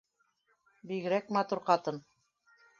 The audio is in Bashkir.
Бигерәк матур ҡатын